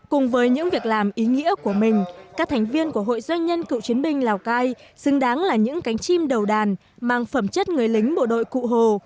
cùng với những việc làm ý nghĩa của mình các thành viên của hội doanh nhân cựu chiến binh lào cai xứng đáng là những cánh chim đầu đàn mang phẩm chất người lính bộ đội cụ hồ